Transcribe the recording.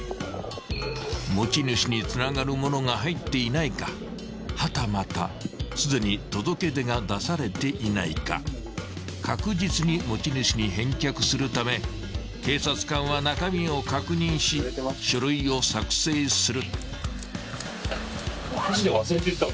［持ち主につながるものが入っていないかはたまたすでに届け出が出されていないか確実に持ち主に返却するため警察官は中身を確認し書類を作成する］